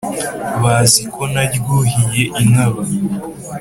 Bazi ko naryuhiye inkaba